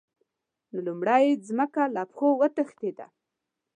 نو لومړی یې ځمکه له پښو وتښتېده.